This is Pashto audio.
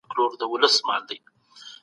اقتصادي چاري د ټولنيز ژوند برخه ده.